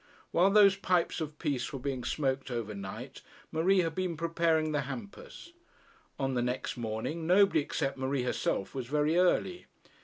While those pipes of peace were being smoked over night, Marie had been preparing the hampers. On the next morning nobody except Marie herself was very early.